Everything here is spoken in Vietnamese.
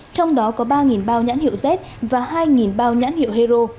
trong đó có ba bao nhãn hiệu z và hai bao nhãn hiệu hero